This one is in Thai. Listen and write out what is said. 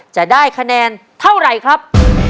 จะได้คะแนนเท่าไหร่ครับ